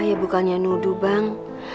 ya bukannya nuduh bang